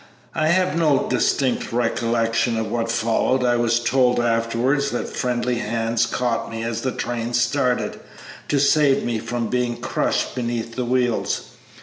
"I have no distinct recollection of what followed. I was told afterwards that friendly hands caught me as the train started, to save me from being crushed beneath the wheels.